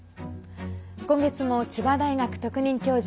今月も千葉大学特任教授